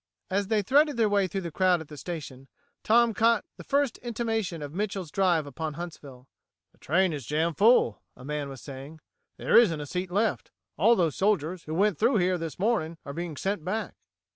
As they threaded their way through the crowd at the station, Tom caught the first intimation of Mitchel's drive upon Huntsville. "The train is jam full," a man was saying. "There isn't a seat left. All those soldiers who went through here this morning are being sent back."